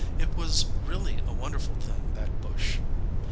It was really a wonderful thing, that bush.